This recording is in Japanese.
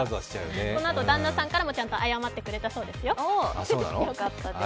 このあと、旦那さんからもちゃんと謝ってくれたそうですよ。